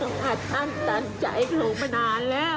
อัดอั้นตันใจโทรมานานแล้ว